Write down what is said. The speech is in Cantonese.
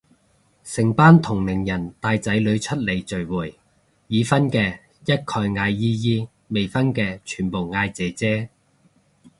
成班同齡人帶仔女出嚟聚會，已婚嘅一概嗌姨姨，未婚嘅全部嗌姐姐